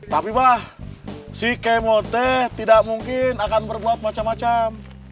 tapi bah si kemote tidak mungkin akan berbuat macam macam